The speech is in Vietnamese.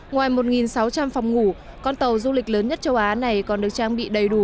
ngoài một sáu trăm linh phòng ngủ con tàu du lịch lớn nhất châu á này còn được trang bị đầy đủ